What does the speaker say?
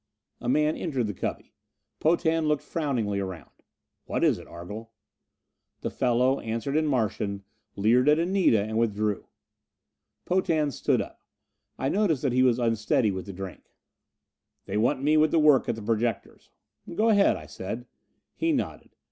A man entered the cubby. Potan looked frowningly around. "What is it, Argle?" The fellow answered in Martian, leered at Anita and withdrew. Potan stood up. I noticed that he was unsteady with the drink. "They want me with the work at the projectors." "Go ahead," I said. He nodded.